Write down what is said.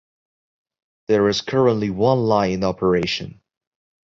There is currently one line in operation.